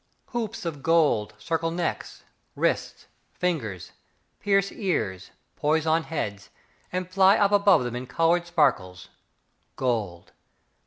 Hoops of gold Circle necks, wrists, fingers, Pierce ears, Poise on heads And fly up above them in coloured sparkles. Gold!